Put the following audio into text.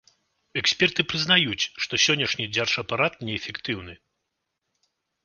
Эксперты прызнаюць, што сённяшні дзяржапарат неэфектыўны.